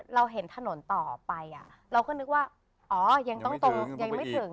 เราเห็นถนนต่อไปเราก็นึกว่าอ๋อยังต้องตรงยังไม่ถึง